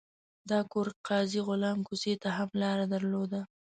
دا کور قاضي غلام کوڅې ته هم لار درلوده.